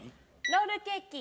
ロールケーキ。